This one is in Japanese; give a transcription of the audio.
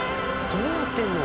どうなってるの？